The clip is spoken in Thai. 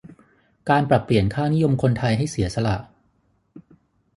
การปรับเปลี่ยนค่านิยมคนไทยให้เสียสละ